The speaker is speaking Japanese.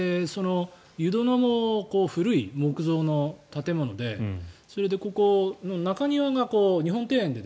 湯殿も古い木造の建物でそれで、中庭が日本庭園で。